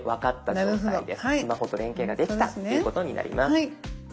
スマホと連携ができたっていうことになります。